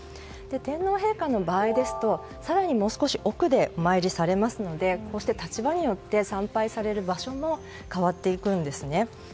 天皇陛下の場合ですと更にもう少し奥でお参りされますのでこうして立場によって参拝される場所も変わっていくんですね。